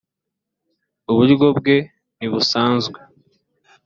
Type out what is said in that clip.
uburyo bwe ntibusanzwe.